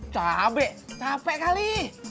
cabai capek kali